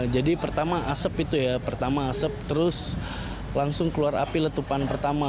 jadi pertama asep itu ya pertama asep terus langsung keluar api letupan pertama